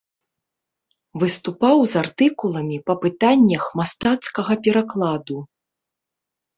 Выступаў з артыкуламі па пытаннях мастацкага перакладу.